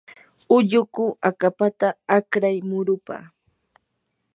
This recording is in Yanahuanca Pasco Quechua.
ulluku akapata akray murupa.